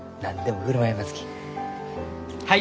はい！